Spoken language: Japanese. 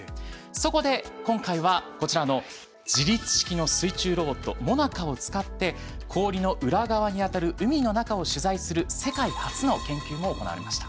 そこで今回はこちらの自律式の水中ロボット「ＭＯＮＡＣＡ」を使って氷の裏側にあたる海の中を取材する世界初の研究も行われました。